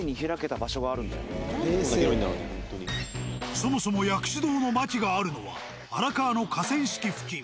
そもそも薬師堂のマキがあるのは荒川の河川敷付近。